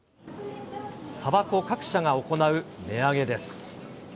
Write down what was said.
たばこ各社が行う値上げです。